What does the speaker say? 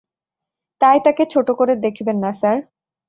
তাই তাকে ছোট করে দেখবেন না, স্যার।